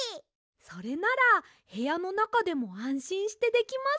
それならへやのなかでもあんしんしてできます。